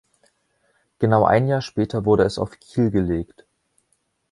Genau ein Jahr später wurde es auf Kiel gelegt.